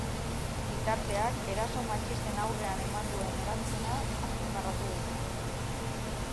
Gizarteak eraso matxisten aurrean eman duen erantzuna azpimarratu dute.